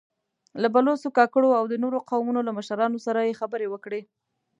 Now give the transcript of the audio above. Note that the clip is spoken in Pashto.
له بلوڅو، کاکړو او د نورو قومونو له مشرانو سره يې خبرې وکړې.